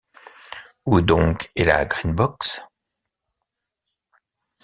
Où donc est la Green-Box?